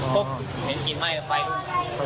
พุกเห็นอินไหม้ไป